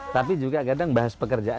tapi juga kadang bahas pekerjaan